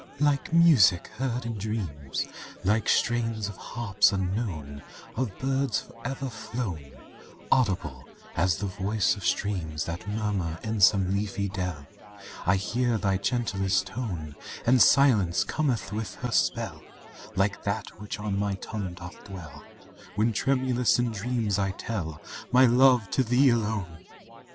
IV Like music heard in dreams, Like strains of harps unknown, Of birds forever flown Audible as the voice of streams That murmur in some leafy dell, I hear thy gentlest tone, And Silence cometh with her spell Like that which on my tongue doth dwell, When tremulous in dreams I tell My love to thee alone!